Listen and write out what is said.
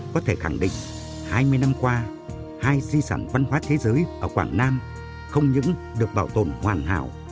có thể khẳng định hai mươi năm qua hai di sản văn hóa thế giới ở quảng nam không những được bảo tồn hoàn hảo